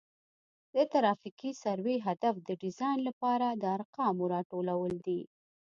د ترافیکي سروې هدف د ډیزاین لپاره د ارقامو راټولول دي